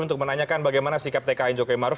untuk menanyakan bagaimana sikap tkn jokowi maruf